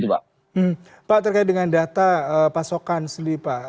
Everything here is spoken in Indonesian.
pak terkait dengan data pasokan sendiri pak